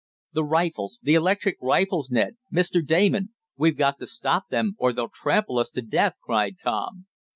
"The rifles! The electric rifles, Ned Mr. Damon! We've got to stop them, or they'll trample us to death!" cried Tom.